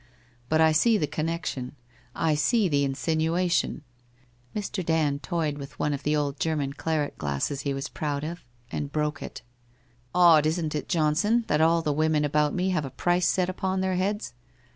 But I see the connection — I see the insinuation ' Mr. Dand toyed with one of the old German claret glasses he was proud of and broke it. ' Odd isn't it, Johnson, that all the women about me have a price set upon their heads?